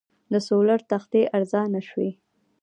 د سولر تختې ارزانه شوي؟